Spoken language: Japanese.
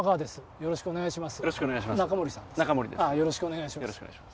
よろしくお願いします。